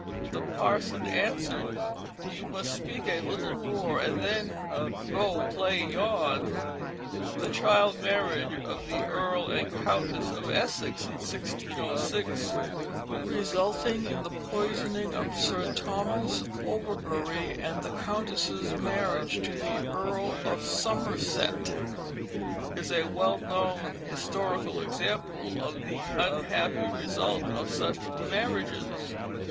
The parson answered, "You must speak a little more and then go play yon." The child marriage of the Earl and Countess of Essex in 1606, resulting in the poisoning of Sir Thomas Overbury, and the Countess' marriage to the Earl of Somerset, is a well known historical example of the unhappy result of such marriages.